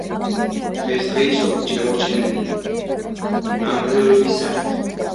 დღესდღეობით შემორჩენილია ნანგრევების სახით.